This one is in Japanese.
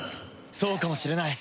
そうかもしれない。